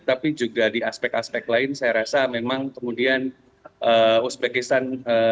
tapi juga di aspek aspek lain saya rasa memang kemudian uzbekistan